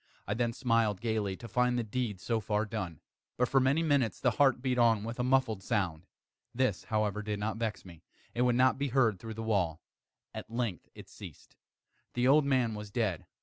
I then smiled gaily, to find the deed so far done. But, for many minutes, the heart beat on with a muffled sound. This, however, did not vex me; it would not be heard through the wall. At length it ceased. The old man was dead.